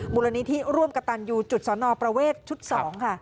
มูลนี้ที่ร่วมกับตันอยู่จุดสอนอประเวทชุด๒ค่ะ